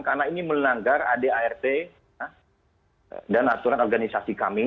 karena ini melenanggar ad art dan aturan organisasi kami